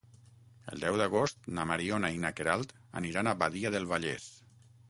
El deu d'agost na Mariona i na Queralt aniran a Badia del Vallès.